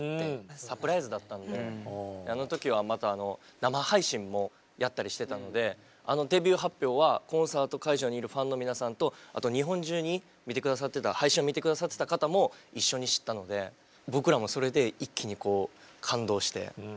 サプライズだったのであの時はまたあの生配信もやったりしてたのであのデビュー発表はコンサート会場にいるファンの皆さんとあと日本中に配信を見て下さってた方も一緒に知ったので僕らもそれで一気にこう感動して。